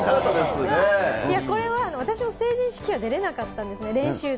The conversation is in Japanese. いや、これは、私も成人式は出れなかったんですね、練習で。